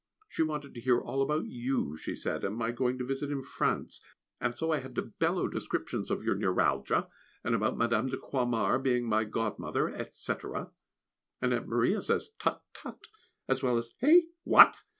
She wanted to hear all about you, she said, and my going to visit in France; and so I had to bellow descriptions of your neuralgia, and about Mme. de Croixmare being my godmother, &c., and Aunt Maria says, "Tut, tut!" as well as "Eh! what?"